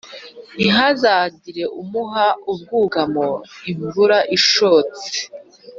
ntihazagire umuha ubwugamo imvura ishotse;